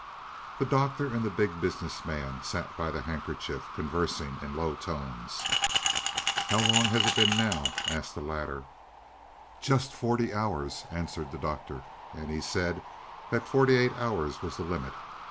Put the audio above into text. The Doctor and the Big Business Man sat by the handkerchief conversing in low tones. "How long has it been now?" asked the latter. "Just forty hours," answered the Doctor; "and he said that forty eight hours was the limit.